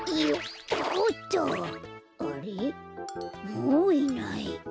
もういない。